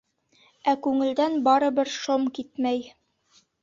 Ә күңелдән барыбер шом китмәй.